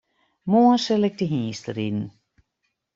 Moarn sil ik te hynsteriden.